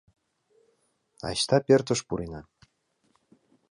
Айста, пӧртыш пурена...